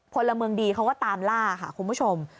พลเมืองดีเขาก็ตามล่าค่ะคุณผู้ชม